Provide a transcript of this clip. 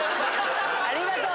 ありがとう。